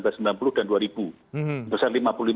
besar lima puluh lima persen